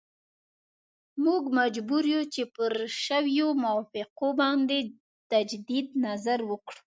موږ مجبور یو چې پر شویو موافقو باندې تجدید نظر وکړو.